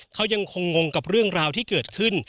เขายังคงงงกับเรื่องราวที่เกิดขึ้น